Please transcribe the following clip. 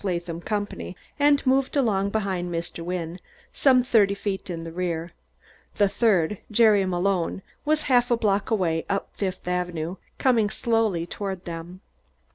Latham Company, and moved along behind Mr. Wynne, some thirty feet in the rear; the third Jerry Malone was half a block away, up Fifth Avenue, coming slowly toward them.